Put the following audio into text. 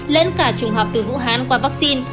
lẫn cả trùng họp từ vũ hán qua vaccine